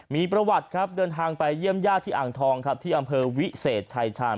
มีประวัติครับเดินทางไปเยี่ยมญาติที่อ่างทองครับที่อำเภอวิเศษชายชาญ